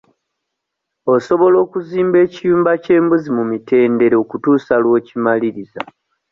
Osobola okuzimba ekiyumba ky'embuzi mu mitendera okutuusa lw'okimaliriza.